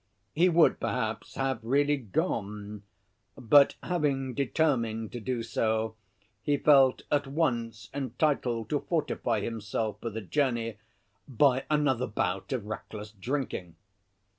He would perhaps have really gone; but having determined to do so he felt at once entitled to fortify himself for the journey by another bout of reckless drinking.